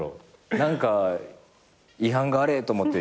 何か違反があれと思って。